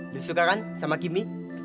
lo suka kan sama kimi